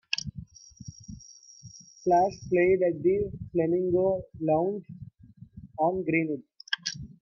Flash played at the Flamingo Lounge, on Greenwood.